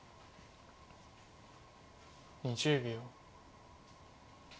２０秒。